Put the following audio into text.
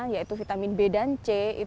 yaitu vitamin b dan c